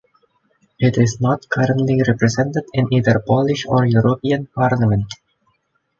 It is not currently represented in either Polish or European parliament.